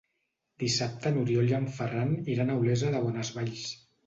Dissabte n'Oriol i en Ferran iran a Olesa de Bonesvalls.